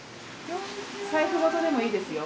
財布ごとでもいいですよ。